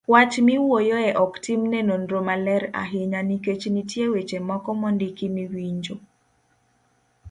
Wach miwuoyoe ok tim ne nonro maler ahinya nikech nitie weche moko mondiki miwinjo